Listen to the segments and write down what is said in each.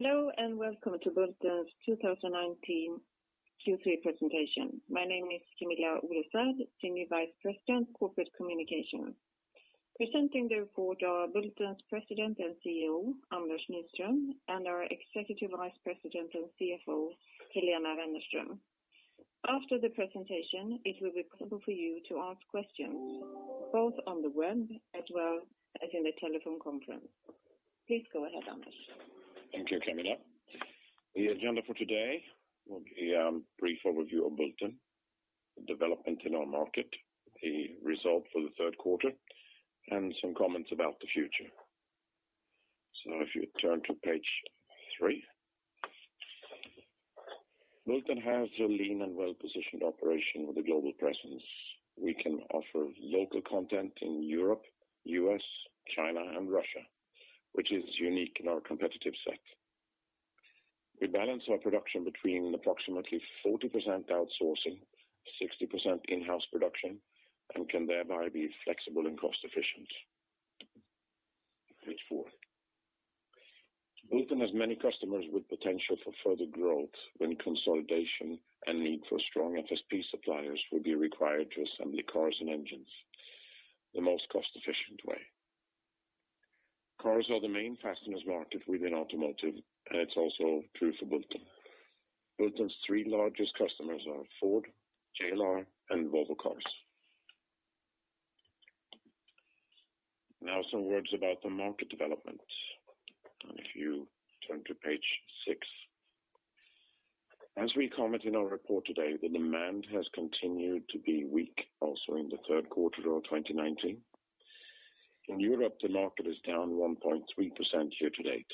Hello, and welcome to Bulten's 2019 Q3 presentation. My name is Kamilla Oresvärd, Senior Vice President, Corporate Communications. Presenting the report are Bulten's President and CEO, Anders Nyström, and our Executive Vice President and CFO, Helena Wennerström. After the presentation, it will be possible for you to ask questions, both on the web as well as in the telephone conference. Please go ahead, Anders. Thank you, Kamilla. The agenda for today will be a brief overview of Bulten, development in our market, the result for the third quarter, and some comments about the future. If you turn to page three. Bulten has a lean and well-positioned operation with a global presence. We can offer local content in Europe, U.S., China, and Russia, which is unique in our competitive set. We balance our production between approximately 40% outsourcing, 60% in-house production, and can thereby be flexible and cost efficient. Page four. Bulten has many customers with potential for further growth when consolidation and need for strong FSP suppliers will be required to assembly cars and engines the most cost-efficient way. Cars are the main fasteners market within automotive, and it's also true for Bulten. Bulten's three largest customers are Ford, Geely, and Volvo Cars. Some words about the market development. If you turn to page six. As we comment in our report today, the demand has continued to be weak also in the third quarter of 2019. In Europe, the market is down 1.3% year to date.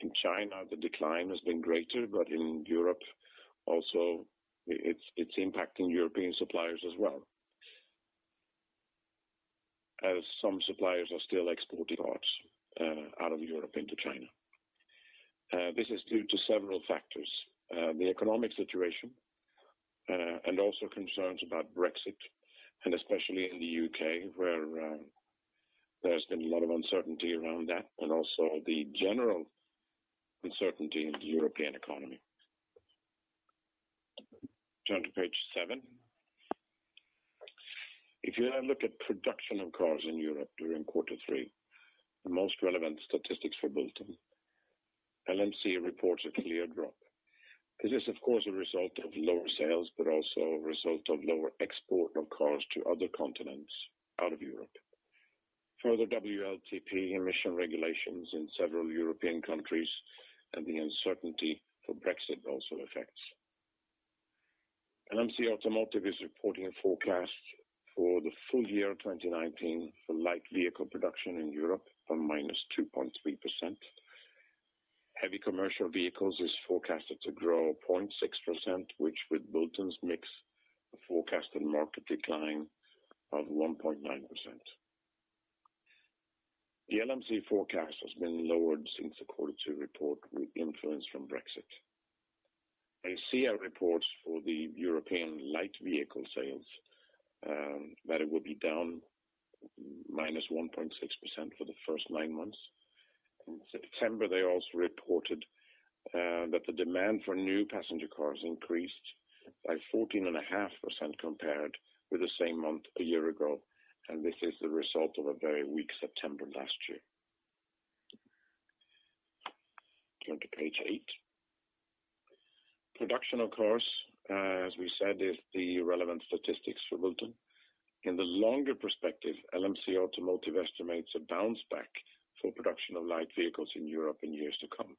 In China, the decline has been greater. In Europe also it's impacting European suppliers as well, as some suppliers are still exporting parts out of Europe into China. This is due to several factors, the economic situation, also concerns about Brexit, especially in the U.K. where there's been a lot of uncertainty around that and the general uncertainty in the European economy. Turn to page seven. If you look at production of cars in Europe during quarter three, the most relevant statistics for Bulten, LMC reports a clear drop. It is of course a result of lower sales but also a result of lower export of cars to other continents out of Europe. Further WLTP emission regulations in several European countries and the uncertainty for Brexit also affects. LMC Automotive is reporting a forecast for the full year 2019 for light vehicle production in Europe of -2.3%. Heavy commercial vehicles is forecasted to grow 0.6%, which with Bulten's mix forecast a market decline of 1.9%. The LMC forecast has been lowered since the quarter two report with influence from Brexit. ACEA reports for the European light vehicle sales, that it will be down -1.6% for the first nine months. In September, they also reported that the demand for new passenger cars increased by 14.5% compared with the same month a year ago. This is the result of a very weak September last year. Turn to page eight. Production, of course, as we said, is the relevant statistics for Bulten. In the longer perspective, LMC Automotive estimates a bounce back for production of light vehicles in Europe in years to come,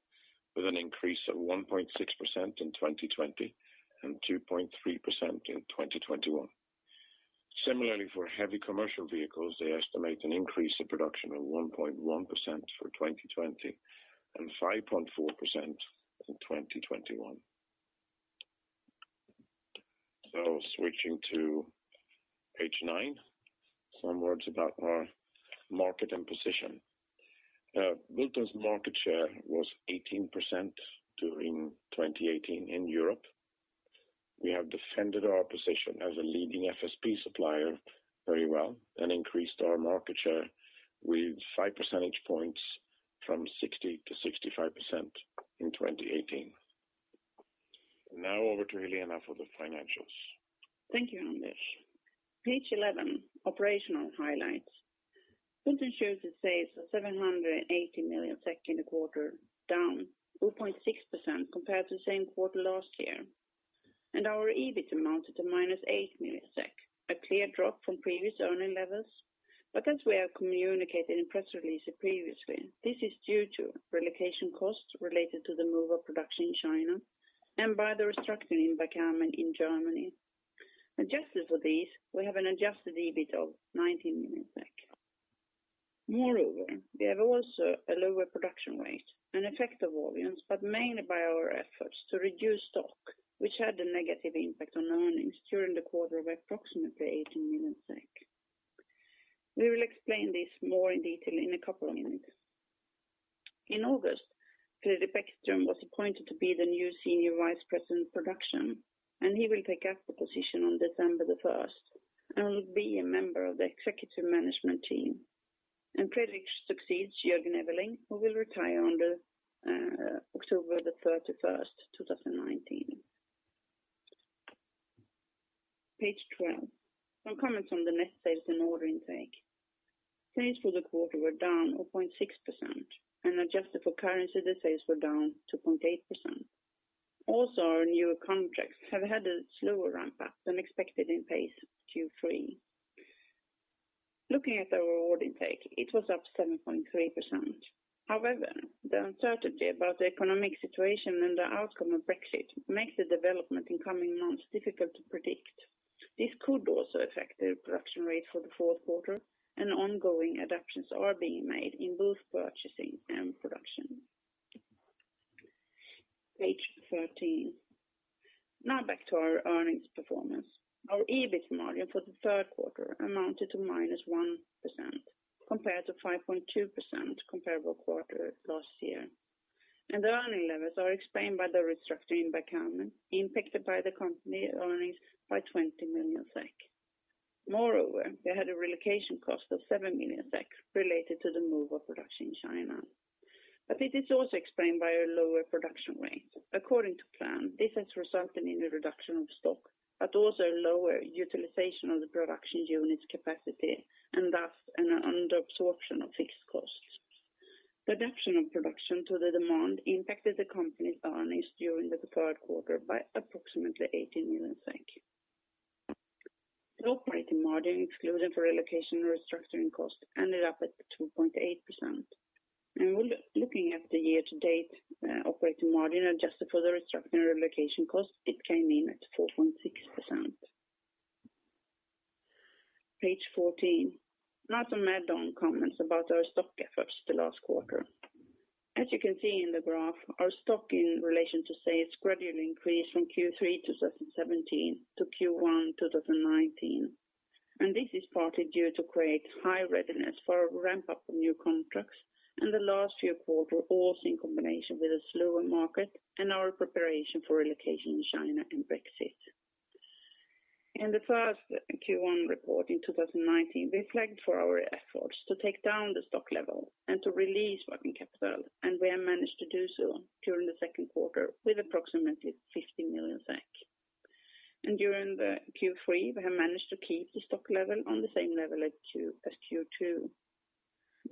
with an increase of 1.6% in 2020 and 2.3% in 2021. Similarly, for heavy commercial vehicles, they estimate an increase in production of 1.1% for 2020 and 5.4% in 2021. Switching to page nine, some words about our market and position. Bulten's market share was 18% during 2018 in Europe. We have defended our position as a leading FSP supplier very well and increased our market share with five percentage points from 60% to 65% in 2018. Now over to Helena for the financials. Thank you, Anders. Page 11, operational highlights. Bulten shows its sales of 780 million in the quarter, down 0.6% compared to the same quarter last year. Our EBIT amounted to -8 million SEK, a clear drop from previous earning levels. As we have communicated in press release previously, this is due to relocation costs related to the move of production in China and by the restructuring by Bergkamen in Germany. Adjusted for these, we have an adjusted EBIT of 19 million SEK. Moreover, we have also a lower production rate, an effect of volumes, but mainly by our efforts to reduce stock, which had a negative impact on earnings during the quarter of approximately 18 million SEK. We will explain this more in detail in a couple of minutes. In August, Fredrik Bäckström was appointed to be the new Senior Vice President of Production, and he will take up the position on December 1st. He will be a member of the executive management team. Fredrik succeeds Jörg Neveling, who will retire on October 31st, 2019. Page 12. Some comments on the net sales and order intake. Sales for the quarter were down or 0.6%, and adjusted for currency, the sales were down 2.8%. Also, our newer contracts have had a slower ramp-up than expected in Q3. Looking at our order intake, it was up 7.3%. However, the uncertainty about the economic situation and the outcome of Brexit makes the development in coming months difficult to predict. This could also affect the production rate for the fourth quarter, and ongoing adaptations are being made in both purchasing and production. Page 13. Now back to our earnings performance. Our EBIT margin for the third quarter amounted to -1% compared to 5.2% comparable quarter last year. The earning levels are explained by the restructuring by Bergkamen impacted by the company earnings by 20 million SEK. Moreover, they had a relocation cost of 7 million SEK related to the move of production in China. It is also explained by a lower production rate. According to plan, this has resulted in a reduction of stock, but also lower utilization of the production unit's capacity and thus an under absorption of fixed costs. The reduction of production to the demand impacted the company's earnings during the third quarter by approximately SEK 18 million. The operating margin excluded for relocation restructuring costs ended up at 2.8%. Looking at the year to date operating margin adjusted for the restructuring relocation cost, it came in at 4.6%. Page 14. Now some add-on comments about our stock efforts the last quarter. As you can see in the graph, our stock in relation to sales gradually increased from Q3 2017 to Q1 2019. This is partly due to create high readiness for a ramp-up of new contracts and the last few quarter, also in combination with a slower market and our preparation for relocation in China and Brexit. In the first Q1 report in 2019, we flagged for our efforts to take down the stock level and to release working capital. We have managed to do so during the second quarter with approximately 50 million SEK. During the Q3, we have managed to keep the stock level on the same level as Q2.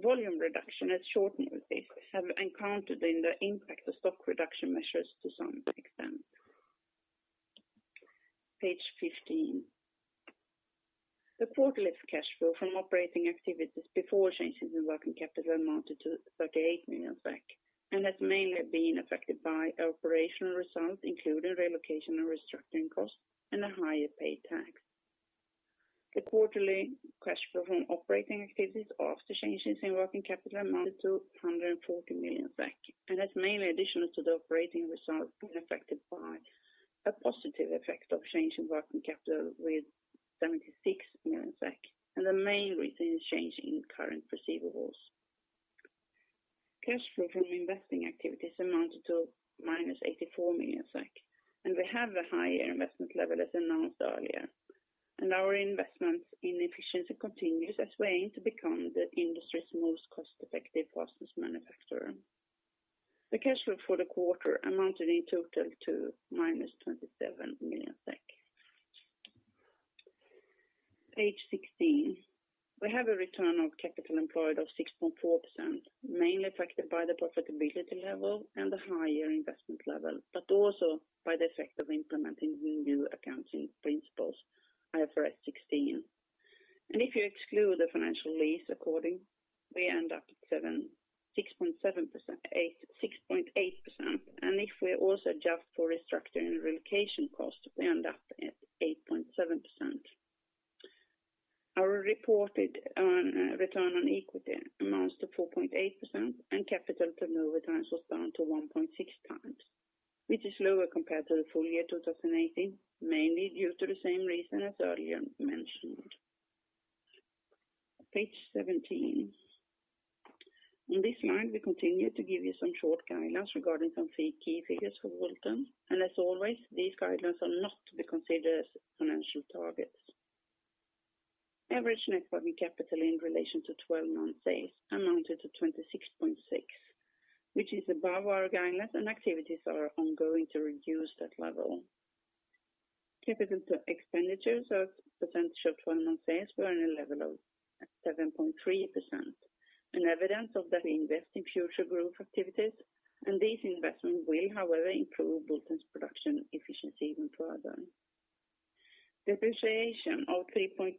Volume reduction has shortened with this, have encountered in the impact of stock reduction measures to some extent. Page 15. The quarterly cash flow from operating activities before changes in working capital amounted to 38 million SEK and has mainly been affected by operational results, including relocation and restructuring costs and a higher paid tax. The quarterly cash flow from operating activities after changes in working capital amounted to 140 million SEK and is mainly additional to the operating results being affected by a positive effect of change in working capital with 76 million SEK and the main reason is change in current receivables. Cash flow from investing activities amounted to -84 million SEK, and we have a higher investment level as announced earlier, and our investments in efficiency continues as we aim to become the industry's most cost-effective process manufacturer. The cash flow for the quarter amounted in total to -27 million SEK. Page 16. We have a return of capital employed of 6.4%, mainly affected by the profitability level and the higher investment level, but also by the effect of implementing new accounting principles, IFRS 16. If you exclude the financial lease according, we end up at 6.8%. If we also adjust for restructuring and relocation costs, we end up at 8.7%. Our reported return on equity amounts to 4.8%. Capital to turnover turns was down to 1.6 times, which is lower compared to the full year 2018, mainly due to the same reason as earlier mentioned. Page 17. On this slide, we continue to give you some short guidelines regarding some key figures for Bulten. As always, these guidelines are not to be considered as financial targets. Average net working capital in relation to 12-month sales amounted to 26.6%, which is above our guidelines. Activities are ongoing to reduce that level. Capital expenditures of percentage of 12-month sales were on a level of 7.3%, evidence of that we invest in future growth activities. These investments will however improve Bulten's production efficiency going forward. Depreciation of 3.2%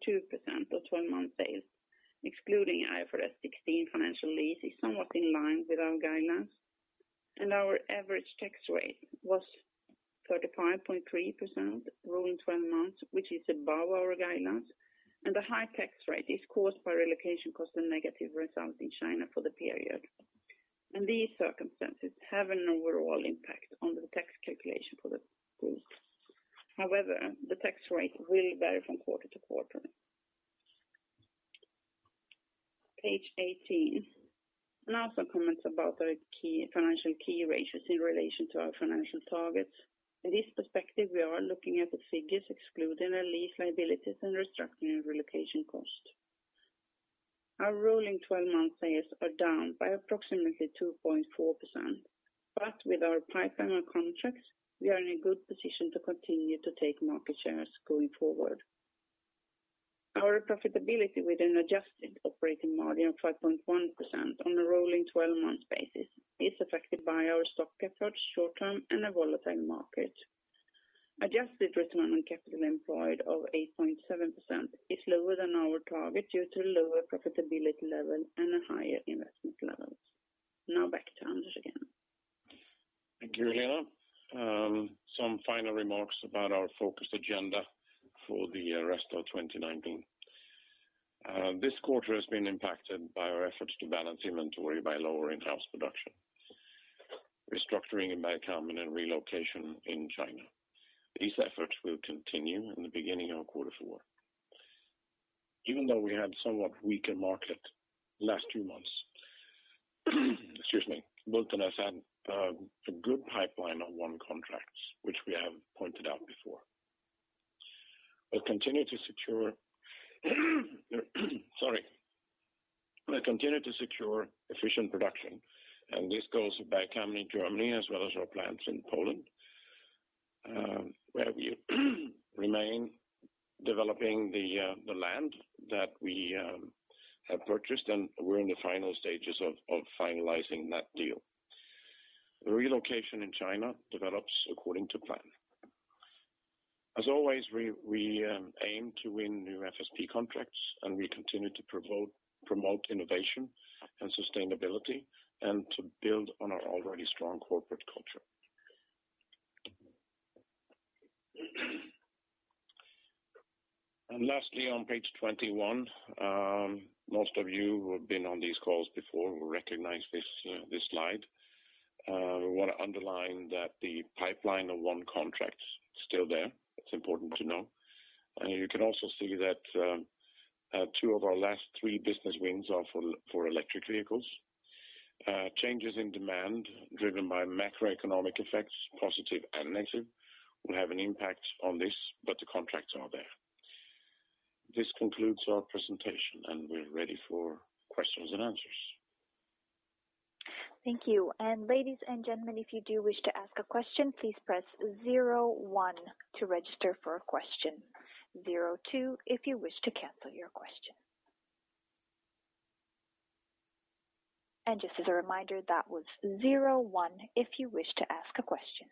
of 12-month sales, excluding IFRS 16 financial lease is somewhat in line with our guidelines. Our average tax rate was 35.3% rolling 12 months, which is above our guidelines. The high tax rate is caused by relocation cost and negative results in China for the period. These circumstances have an overall impact on the tax calculation for the group. However, the tax rate will vary from quarter to quarter. Page 18. Now some comments about the financial key ratios in relation to our financial targets. In this perspective, we are looking at the figures excluding our lease liabilities and restructuring and relocation costs. Our rolling 12-month sales are down by approximately 2.4%, but with our pipeline of contracts, we are in a good position to continue to take market shares going forward. Our profitability with an adjusted operating margin of 5.1% on a rolling 12-month basis is affected by our stock efforts short term and a volatile market. Adjusted return on capital employed of 8.7% is lower than our target due to lower profitability level and higher investment levels. Now back to Anders again. Thank you, Helena. Some final remarks about our focused agenda for the rest of 2019. This quarter has been impacted by our efforts to balance inventory by lower in-house production, restructuring in Bergkamen, and relocation in China. These efforts will continue in the beginning of quarter four. Even though we had a somewhat weaker market the last two months, excuse me, Bulten has had a good pipeline of won contracts, which we have pointed out before. We'll continue to secure efficient production, and this goes back to Bergkamen in Germany as well as our plants in Poland, where we remain developing the land that we have purchased, and we're in the final stages of finalizing that deal. The relocation in China develops according to plan. As always, we aim to win new FSP contracts. We continue to promote innovation and sustainability and to build on our already strong corporate culture. Lastly, on page 21, most of you who have been on these calls before will recognize this slide. We want to underline that the pipeline of won contracts is still there. It's important to know. You can also see that two of our last three business wins are for electric vehicles. Changes in demand driven by macroeconomic effects, positive and negative, will have an impact on this. The contracts are there. This concludes our presentation. We're ready for questions and answers. Thank you. Ladies and gentlemen, if you do wish to ask a question, please press zero one to register for a question, zero two if you wish to cancel your question. Just as a reminder, that was zero one if you wish to ask a question.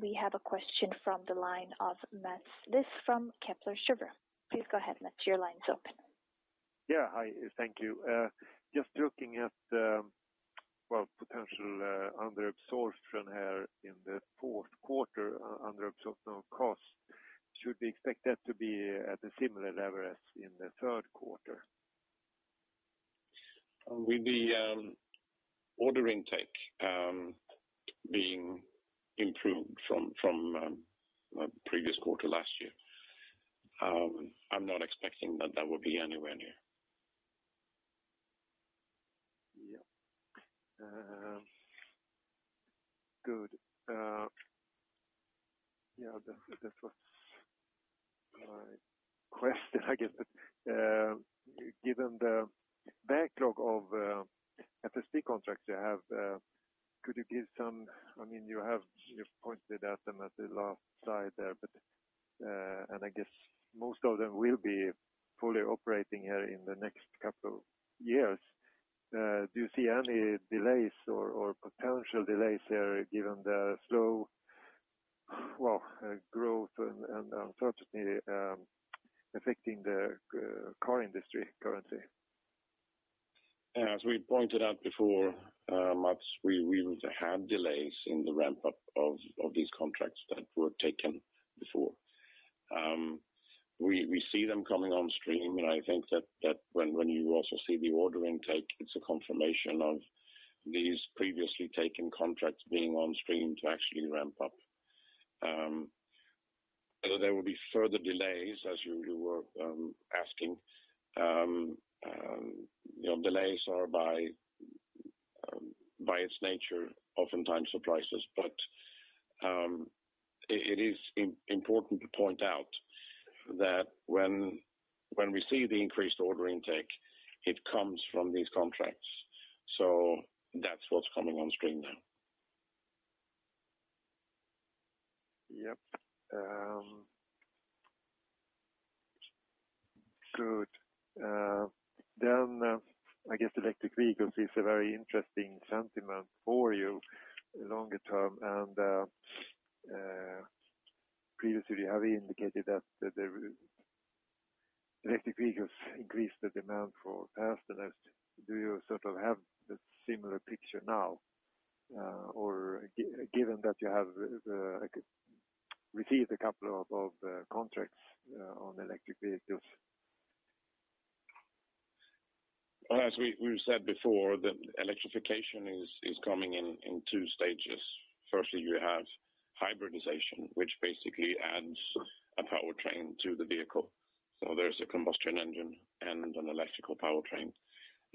We have a question from the line of Mats Liss from Kepler Cheuvreux. Please go ahead, Mats, your line's open. Yeah. Hi, thank you. Just looking at potential underabsorption here in the fourth quarter, underabsorption of cost, should we expect that to be at a similar level as in the third quarter? With the order intake being improved from previous quarter last year, I'm not expecting that that will be anywhere near. Yeah. Good. Yeah, that was my question, I guess. Given the backlog of FSP contracts you have, could you give. You've pointed at them at the last slide there. I guess most of them will be fully operating here in the next couple of years. Do you see any delays or potential delays there given the slow growth and unfortunately affecting the car industry currently? As we pointed out before, Mats, we had delays in the ramp-up of these contracts that were taken before. We see them coming on stream, and I think that when you also see the order intake, it's a confirmation of these previously taken contracts being on stream to actually ramp up. Whether there will be further delays, as you were asking, delays are by its nature oftentimes surprises. It is important to point out that when we see the increased order intake, it comes from these contracts. That's what's coming on stream now. Yep. Good. I guess electric vehicles is a very interesting sentiment for you longer term, previously, have you indicated that the electric vehicles increased the demand for the fasteners? Do you sort of have the similar picture now, or given that you have received a couple of contracts on electric vehicles? As we've said before, the electrification is coming in 2 stages. Firstly, you have hybridization, which basically adds a powertrain to the vehicle. There's a combustion engine and an electrical powertrain.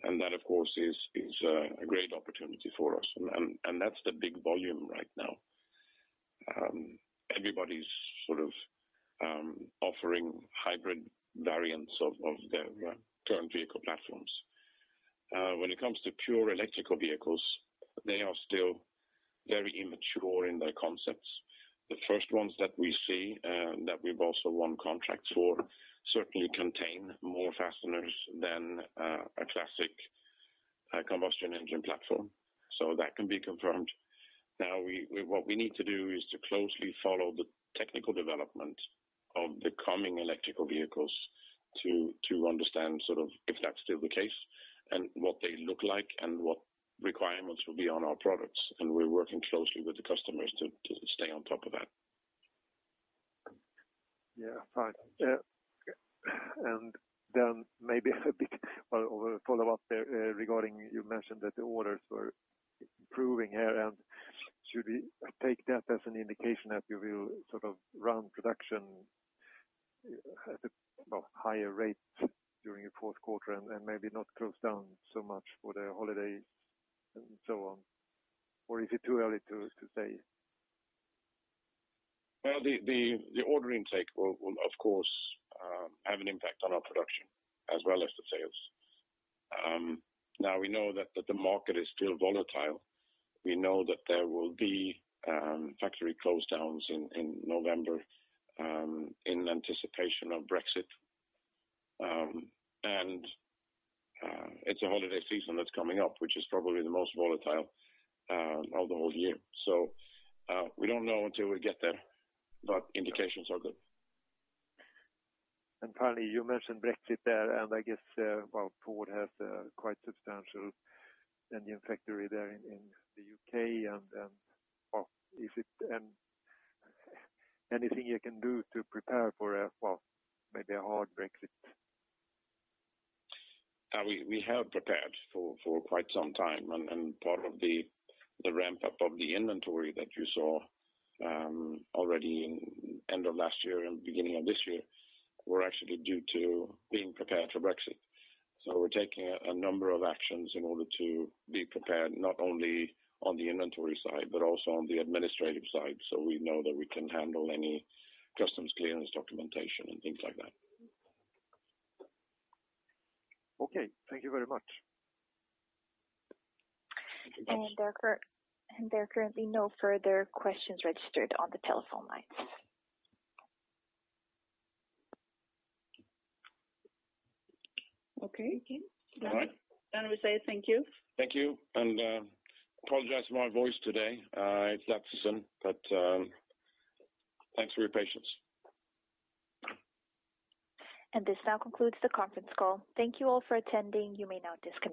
That, of course, is a great opportunity for us. That's the big volume right now. Everybody's sort of offering hybrid variants of their current vehicle platforms. When it comes to pure electrical vehicles, they are still very immature in their concepts. The first ones that we see, that we've also won contracts for, certainly contain more fasteners than a classic combustion engine platform. That can be confirmed. What we need to do is to closely follow the technical development of the coming electrical vehicles to understand sort of if that's still the case, and what they look like, and what requirements will be on our products. We're working closely with the customers to stay on top of that. Yeah, fine. Maybe a big follow-up there regarding, you mentioned that the orders were improving here, and should we take that as an indication that you will sort of run production at a higher rate during your fourth quarter and maybe not close down so much for the holiday and so on? Is it too early to say? Well, the order intake will, of course, have an impact on our production as well as the sales. We know that the market is still volatile. We know that there will be factory closedowns in November, in anticipation of Brexit. It's a holiday season that's coming up, which is probably the most volatile of the whole year. We don't know until we get there, but indications are good. Finally, you mentioned Brexit there, and I guess Ford has a quite substantial engine factory there in the U.K., and is it anything you can do to prepare for maybe a hard Brexit? We have prepared for quite some time, and part of the ramp-up of the inventory that you saw already in end of last year and beginning of this year, were actually due to being prepared for Brexit. We're taking a number of actions in order to be prepared, not only on the inventory side but also on the administrative side, so we know that we can handle any customs clearance documentation and things like that. Okay. Thank you very much. Thank you much. There are currently no further questions registered on the telephone lines. Okay. All right. We say thank you. Thank you, and apologize for my voice today. It's not the same, but thanks for your patience. This now concludes the conference call. Thank you all for attending. You may now disconnect.